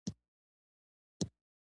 بل دا چې هوټل باید د مسلمانانو وي.